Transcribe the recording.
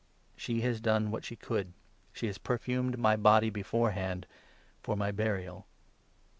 She has done what she could ; she 8 has perfumed my body beforehand for my burial.